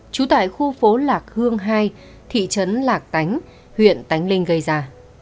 trú tại khu phố lạc hương hai thị trấn lạc tánh huyện tánh linh gây ra